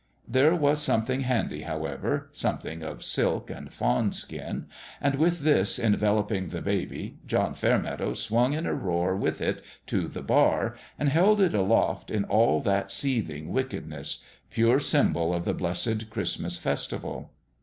There was something handy, however some thing of silk and fawn skin and with this en veloping the baby John Fairmeadow swung in a roar with it to the bar and held it aloft in all that seething wickedness pure symbol of the blessed Christmas festival.